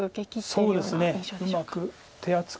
そうですねうまく手厚く。